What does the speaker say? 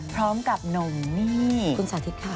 พร้อมกับหนุ่มนี่คุณสาธิตค่ะ